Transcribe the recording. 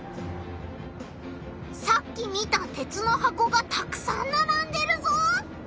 さっき見た鉄の箱がたくさんならんでるぞ！